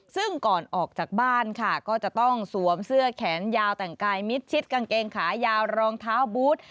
ซึ่งก่อนออกจากบ้านค่ะก็จะต้องสวมเสื้อแขนยาวแต่งกายมิดชิดกางเกงขายาวรองเท้าบูธ